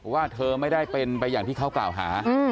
ว่าเธอไม่ได้เป็นไปอย่างที่เขากล่าวหา